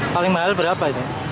paling mahal berapa ini